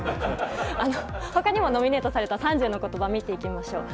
他にもノミネートされた３０の言葉を見ていきましょう。